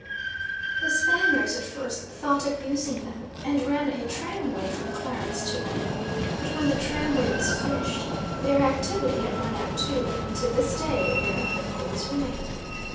The Spaniards at first thought of using them, and ran a tram way from Clarence to them. But when the tramway was finished, their activity had run out too, and to this day there the coals remain.